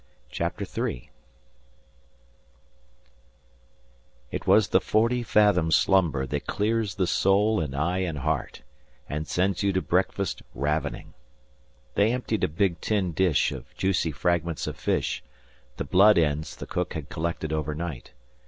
CHAPTER III It was the forty fathom slumber that clears the soul and eye and heart, and sends you to breakfast ravening. They emptied a big tin dish of juicy fragments of fish the blood ends the cook had collected overnight.